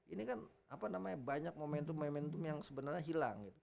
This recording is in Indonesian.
ini kan banyak momentum momentum yang sebenarnya hilang